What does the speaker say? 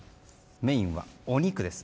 メインはお肉です。